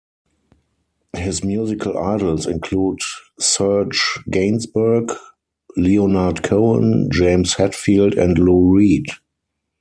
His musical idols include Serge Gainsbourg, Leonard Cohen, James Hetfield and Lou Reed.